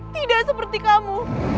tidak seperti kamu